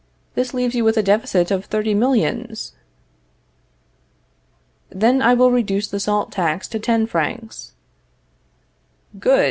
This leaves you with a deficit of thirty millions. Then I will reduce the salt tax to ten francs. Good!